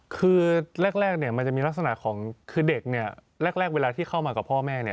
คือแรกเนี่ยมันจะมีลักษณะของคือเด็กเนี่ยแรกเวลาที่เข้ามากับพ่อแม่เนี่ย